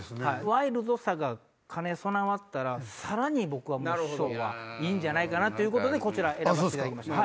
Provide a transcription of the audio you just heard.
ワイルドさが兼ね備わったらさらに師匠いいんじゃないかとこちら選ばせていただきました。